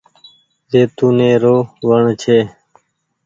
زيتونٚي رو وڻ ڇي۔